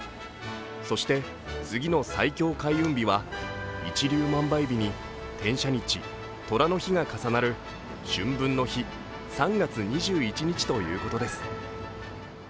そして、次の最強開運日は一粒万倍日に天赦日、とらの日が重なる春分の日、３月２１日ということです。